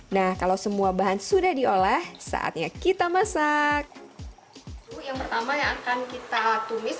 nah kalau semua bahan sudah diolah saatnya kita masak yang pertama yang akan kita tumis